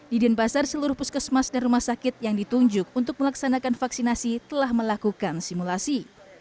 di denpasar seluruh puskesmas dan rumah sakit yang ditunjuk untuk melaksanakan vaksinasi telah melakukan simulasi